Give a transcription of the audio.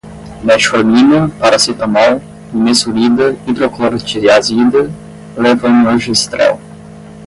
Metformina, paracetamol, nimesulida, hidroclorotiazida, levonorgestrel